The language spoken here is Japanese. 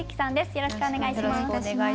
よろしくお願いします。